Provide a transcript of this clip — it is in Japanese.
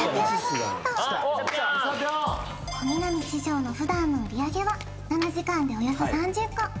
ヒーント小南師匠の普段の売上は７時間でおよそ３０個